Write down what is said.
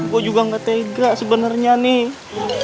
gua juga nggak tega sebenarnya nih